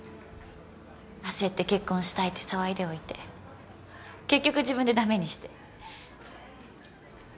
焦って結婚したいって騒いでおいて結局自分で駄目にして。